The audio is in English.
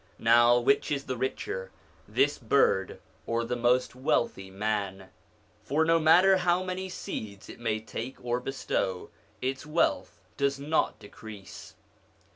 Now, which is the richer, this bird, or the most wealthy man ? for no matter how many seeds it may take or bestow, its wealth does not decrease.